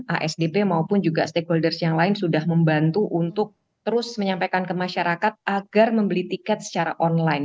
asdp maupun juga stakeholders yang lain sudah membantu untuk terus menyampaikan ke masyarakat agar membeli tiket secara online